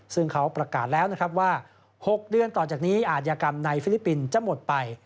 ซึ่งเขาประกาศแล้วนะครับว่า๖เดือนต่อจากนี้อาจยากรรมในฟิลิปปินส์จะหมดไป